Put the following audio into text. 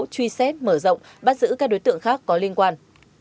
truy xét mở rộng bắt giữ các đối tượng khác có liên quan